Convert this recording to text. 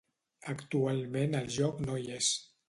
Actualment el joc no hi és.